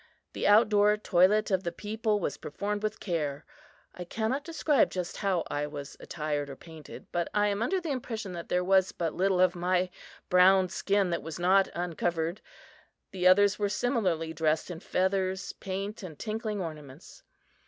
The out door toilet of the people was performed with care. I cannot describe just how I was attired or painted, but I am under the impression that there was but little of my brown skin that was not uncovered. The others were similarly dressed in feathers, paint and tinkling ornaments.